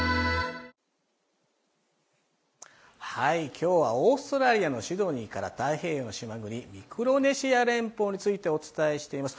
今日はオーストラリアのシドニーから太平洋の島国・ミクロネシア連邦についてお伝えしています。